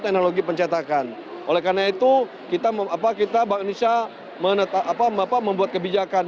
teknologi pencetakan oleh karena itu kita memapai kita bangun isya menetap apa membuat kebijakan